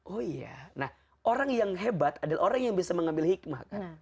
oh iya nah orang yang hebat adalah orang yang bisa mengambil hikmah kan